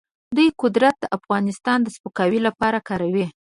دوی قدرت د افغانستان د سپکاوي لپاره کاروي.